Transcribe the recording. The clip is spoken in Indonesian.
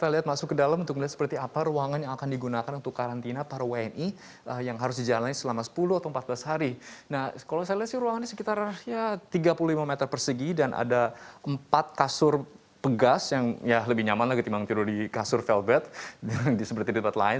di asrama ini tempat tidur yang lebih nyaman dibandingkan tidur di kasur velvet seperti di tempat lain